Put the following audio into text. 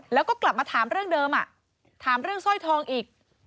แล้วก็กลับมาถามเรื่องเดิมถามเรื่องสร้อยทองอีก